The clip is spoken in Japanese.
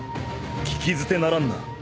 聞き捨てならんな。